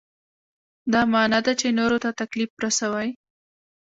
دا معنا ده چې نورو ته تکلیف رسوئ.